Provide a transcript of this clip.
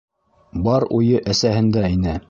Бар уйы әсәһендә ине.